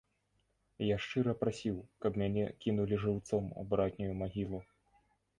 Я шчыра прасіў, каб мяне кінулі жыўцом у братнюю магілу.